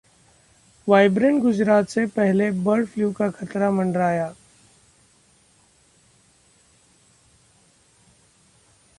vibrant Gujarat से पहले bird flu का खतरा मंडराया